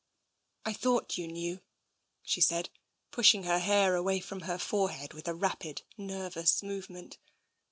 " I thought you knew," she said, pushing her hair away from her forehead with a rapid, nervous move ment.